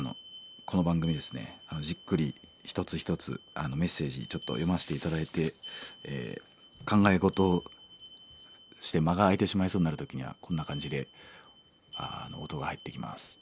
この番組ですねじっくり一つ一つメッセージちょっと読ませて頂いて考え事をして間が空いてしまいそうになる時にはこんな感じで音が入ってきます。